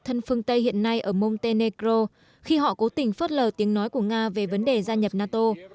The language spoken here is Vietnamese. thân phương tây hiện nay ở montenegro khi họ cố tình phớt lờ tiếng nói của nga về vấn đề gia nhập nato